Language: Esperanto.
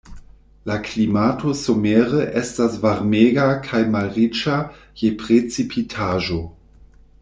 La klimato somere estas varmega kaj malriĉa je precipitaĵo.